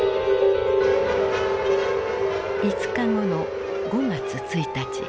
５日後の５月１日。